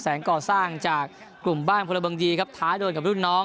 ก่อสร้างจากกลุ่มบ้านพลเมืองดีครับท้ายโดนกับรุ่นน้อง